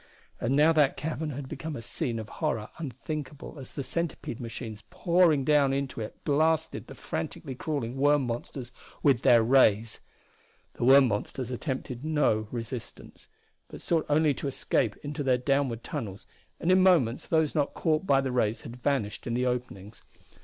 And now that cavern had become a scene of horror unthinkable as the centipede machines pouring down into it blasted the frantically crawling worm monsters with their rays. The worm monsters attempted no resistance, but sought only to escape into their downward tunnels, and in moments those not caught by the rays had vanished in the openings.